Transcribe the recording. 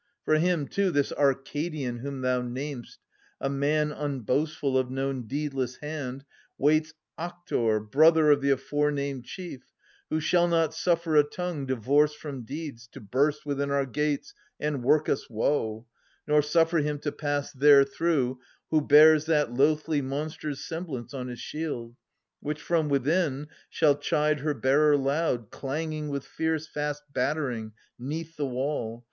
For him too, this Arcadian whom thou nam'st, A man unboastful, of no deedless hand. Waits, Aktor, brother of the aforenamed chief, Who shall not sufier a tongue divorced from deeds To burst within our gates and work us woe, Nor suffer him to pass therethrough who bears That loathly monster's semblance on his shield, Which from within shall chide her bearer loud 560 Clanging with fierce fast battering 'neath the wall.